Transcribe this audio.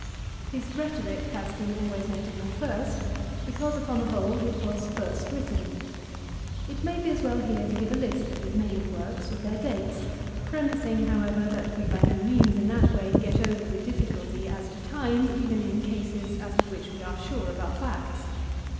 His rhetoric has been always made to come first because, upon the whole, it was first written. It may be as well here to give a list of his main works, with their dates, premising, however, that we by no means in that way get over the difficulty as to time even in cases as to which we are sure of our facts.